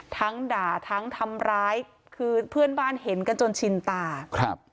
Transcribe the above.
ทั้งด่าทั้งทำร้ายคือเพื่อนบ้านเห็นกันจนชินตาครับ